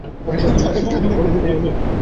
আমি কাকেও কখনও ভুলি না।